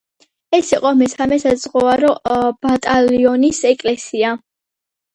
ეს იყო მესამე სასაზღვრო ბატალიონის ეკლესია.